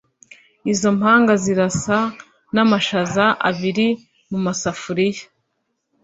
Izo mpanga zirasa namashaza abiri mumasafuriya.